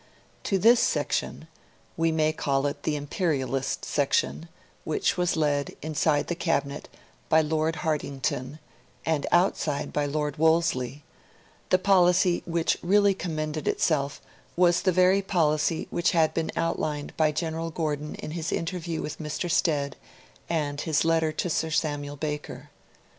To this section we may call it the imperialist section which was led, inside the Cabinet, by Lord Hartington, and outside by Lord Wolseley, the policy which really commended itself was the very policy which had been outlined by General Gordon in his interview with Mr. Stead and his letter to Sir Samuel Baker.